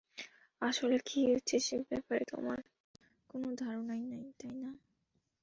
আসলে কী হচ্ছে সে ব্যাপারে তোমার কোনো ধারণাই নেই, তাই না?